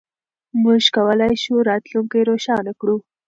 موږ کولای شو راتلونکی روښانه کړو.